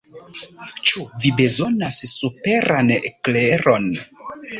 Ĉu vi bezonas superan kleron?